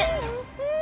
うん！